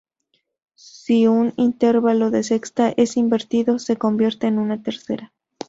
Si un intervalo de sexta es invertido se convierte en una tercera.